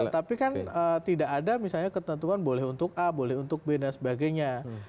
tapi kan tidak ada misalnya ketentuan boleh untuk a boleh untuk b dan sebagainya